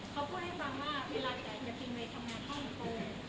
เขาพูดให้ฟังว่าเวลาใดแก่พิมพ์ไปทำงานท่อหัวคน